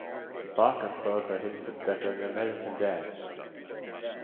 Barker further hinted that an American Dad!